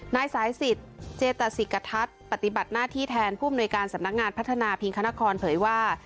นายสายสิทธิ์เจตสิกทัศน์ปฏิบัติหน้าที่แทนผู้อำนวยการสำนักงานพัฒนาพิงคณครเผยว่า